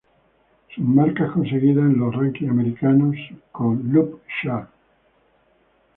Sus marcas conseguidas en los rankings americanos con “"Look Sharp!